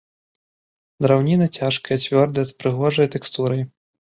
Драўніна цяжкая, цвёрдая, з прыгожай тэкстурай.